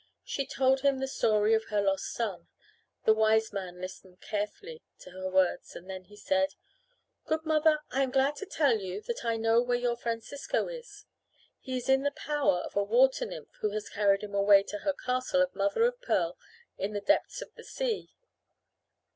She told him the story of her lost son. The Wiseman listened carefully to her words and then he said: "Good mother, I am glad to tell you that I know where your Francisco is. He is in the power of a water nymph who has carried him away to her castle of mother of pearl in the depths of the sea."